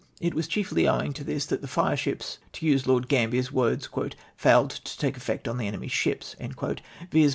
It was cliieliy owing to this that the fireships, to use Lord Gambler's words, "failed to take effect on the enemy's ships; " viz.